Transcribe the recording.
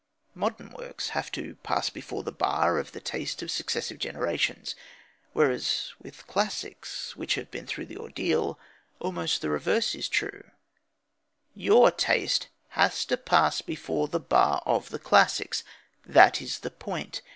Modern works have to pass before the bar of the taste of successive generations. Whereas, with classics, which have been through the ordeal, almost the reverse is the case. Your taste has to pass before the bar of the classics. That is the point.